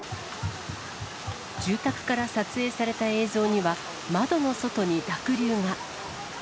住宅から撮影された映像には、窓の外に濁流が。